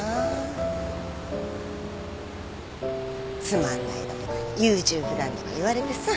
つまんないだとか優柔不断とか言われてさ。